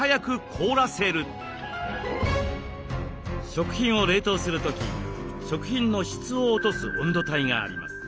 食品を冷凍する時食品の質を落とす温度帯があります。